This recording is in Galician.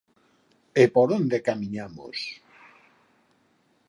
E por onde camiñamos?